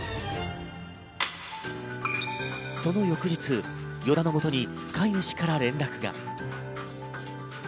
その翌日、依田のもとに飼い主から連絡が。